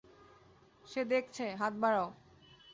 সে দেখছে, হাত বাড়াও।